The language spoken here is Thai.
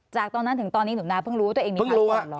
จากตอนนั้นถึงตอนนี้หนูนาเพิ่งรู้ว่าตัวเองมีงาน